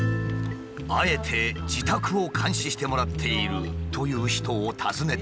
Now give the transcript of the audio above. あえて自宅を監視してもらっているという人を訪ねてみると。